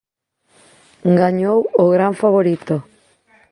Gañou o gran favorito.